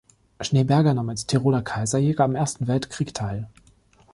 Schneeberger nahm als "Tiroler Kaiserjäger" am Ersten Weltkrieg teil.